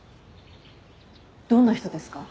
どんな人ですか？